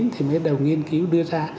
thì mới đầu nghiên cứu đưa ra